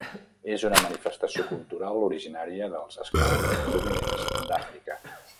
És una manifestació cultural originària dels esclaus provinents d'Àfrica.